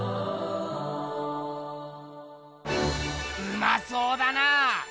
うまそうだな！